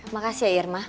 makasih ya irma